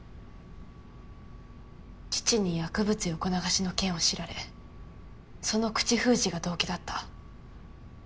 父に薬物横流しの件を知られその口封じが動機だった。